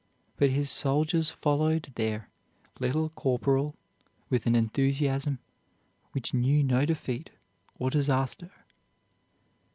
But his soldiers followed their "Little Corporal" with an enthusiasm which knew no defeat or disaster.